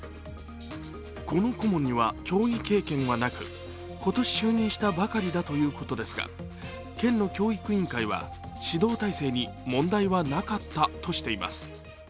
この顧問には競技経験はなく、今年就任したばかりということですが、県の教育委員会は指導体制に問題はなかったとしています。